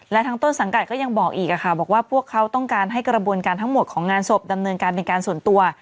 และทางต้นสังกัดก็ยังบอกอีกบอกว่าพวกเขาต้องการให้กระบวนการทั้งหมดของงานศพดำเนินการเป็นการส่วนตัว